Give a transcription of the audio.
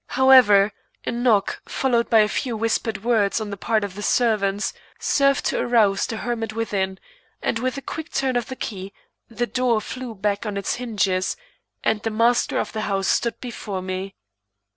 However, a knock, followed by a few whispered words on the part of the servant, served to arouse the hermit within, and with a quick turn of the key, the door flew back on its hinges, and the master of the house stood before me.